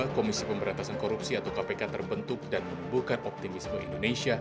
komisi pemberantasan korupsi atau kpk terbentuk dan menumbuhkan optimisme indonesia